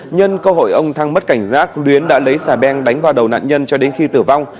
nhân cơ hội ông thăng mất cảnh giác luyến đã lấy xà beng đánh vào đầu nạn nhân cho đến khi tử vong